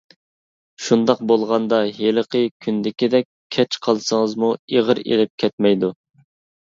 شۇنداق بولغاندا ھېلىقى كۈندىكىدەك كەچ قالسىڭىزمۇ ئېغىر ئېلىپ كەتمەيدۇ.